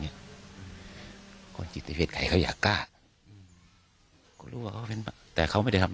คนจิตเวทใครเขาอยากกล้าอืมก็รู้ว่าเขาเป็นแต่เขาไม่ได้ทำ